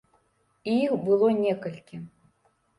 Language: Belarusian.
І іх было некалькі.